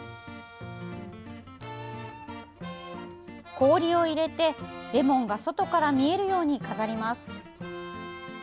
氷を入れて、レモンが外から見えるように飾ります。